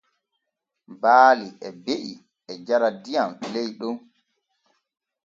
Baali e be’i e jara diyam ley ɗon.